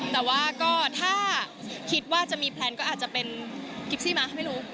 แต่ว่าก็ถ้าคิดว่าจะมีแพลนก็อาจจะเป็นกิฟซี่มาไม่รู้